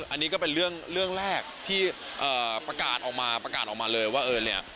อันนี้ก็เป็นเรื่องแรกที่ประกาศออกมาประกาศออกมาเลยว่าเออเนี่ย